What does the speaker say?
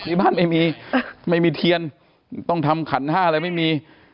ที่บ้านไม่มีไม่มีเทียนต้องทำขันห้าอะไรไม่มี